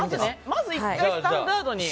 まず、１回スタンダードに。